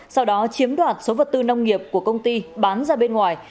sau đó chiếm đoạt số vật tư nông nghiệp của công ty bán ra bên ngoài